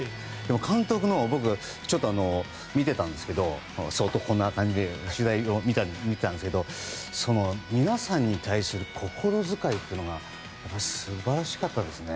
監督を見ていたんですけどこんな感じで取材を見ていたんですが皆さんに対する心遣いが素晴らしかったですね。